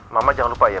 mama jangan lupa ya